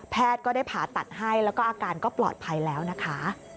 ก็ได้ผ่าตัดให้แล้วก็อาการก็ปลอดภัยแล้วนะคะ